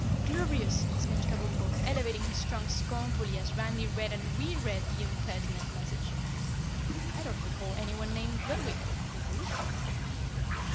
"Glubrious!" sniffed Kabumpo, elevating his trunk scornfully as Randy read and re read the impertinent message. "I don't recall anyone named Gludwig, do you?"